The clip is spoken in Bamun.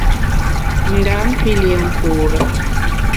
Ndam pi lié nkure.